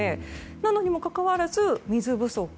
なのにもかかわらず、水不足。